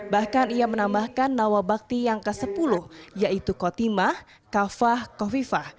bahkan ia menambahkan nawabakti yang ke sepuluh yaitu kotimah kafah kofifah